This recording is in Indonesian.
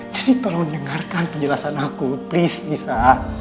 jadi tolong dengarkan penjelasan aku please nisa